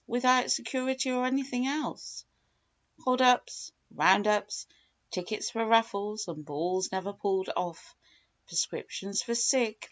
without security or anything else, hold ups, round ups, tickets for raffles and balls never pulled off, prescriptions for "sick"